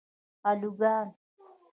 الوگان